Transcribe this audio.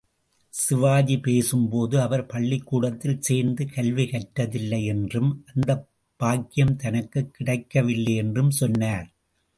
சிவாஜி பேசும்போது அவர் பள்ளிக்கூடத்தில் சேர்ந்து கல்வி கற்றதில்லை என்றும் அந்தப் பாக்யம் தனக்குக் கிடைக்கவில்லை என்றும் சொன்னார்.